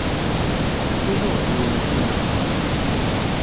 Tessunuɣ-d yiwen usuneɣ.